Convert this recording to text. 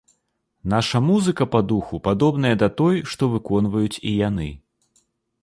Наша музыка па духу падобная да той, што выконваюць і яны.